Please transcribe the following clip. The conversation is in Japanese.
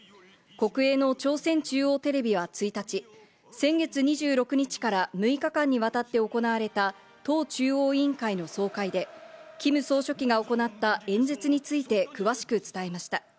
国営の朝鮮中央テレビは１日、先月２６日から６日間にわたって行われた党中央委員会の総会で、キム総書記が行った演説について詳しく伝えました。